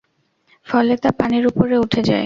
ফলে তা পানির উপরে উঠে যায়।